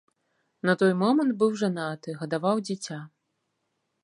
На той момант быў жанаты, гадаваў дзіця.